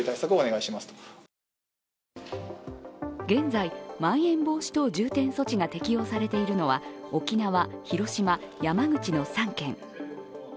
現在、まん延防止等重点措置が適用されているのは沖縄、広島、山口の３県。